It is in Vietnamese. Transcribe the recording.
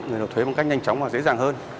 người nộp thuế bằng cách nhanh chóng và dễ dàng hơn